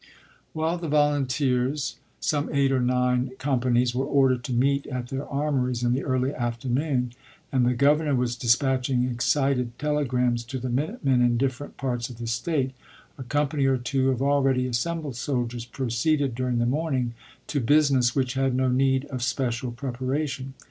While the volunteers, some eight or nine com panies, were ordered to meet at their armories in the early afternoon, and the Governor was dispatch ing excited telegrams to the minute men in different parts of the State, a company or two of already as sembled soldiers proceeded during the morning to business which had no need of special preparation.